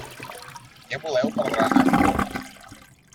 Què voleu per berenar?